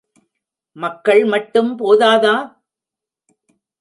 மக்கள் மட்டும் போதாதா?